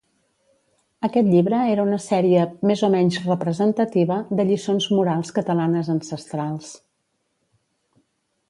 Aquest llibre era una sèrie, més o menys representativa, de lliçons morals catalanes ancestrals.